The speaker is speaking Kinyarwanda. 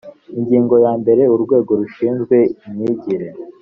ingingo ya mbere urwego rushinzwe imyigire